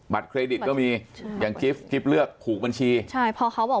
บัตรเครดิตก็มีอย่างกิ๊บเลือกผูกบัญชีค่ะเพราะเขาบอก